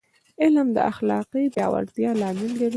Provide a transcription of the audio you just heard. علم د اخلاقي پیاوړتیا لامل ګرځي.